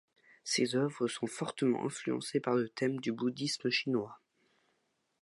Ses œuvres sont fortement influencées par le thème du bouddhisme chinois.